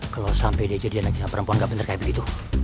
kalau sampe dia jadi anak perempuan gak bener kayak begitu